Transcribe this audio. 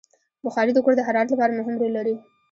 بخاري د کور د حرارت لپاره مهم رول لري.